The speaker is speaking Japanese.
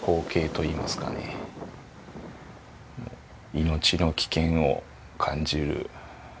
命の危険を感じる。